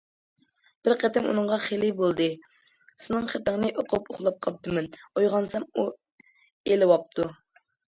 بىر قېتىم، ئۇنىڭغا خېلى بولدى، سېنىڭ خېتىڭنى ئوقۇپ ئۇخلاپ قاپتىمەن، ئويغانسام ئۇ ئېلىۋاپتۇ.